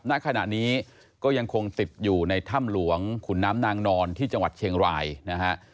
ณขณะนี้ก็ยังคงติดอยู่ในถ้ำหลวงขุนน้ำนางนอนที่จังหวัดเชียงรายนะฮะ